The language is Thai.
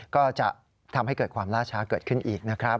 ก็จะทำให้เกิดความล่าช้าเกิดขึ้นอีกนะครับ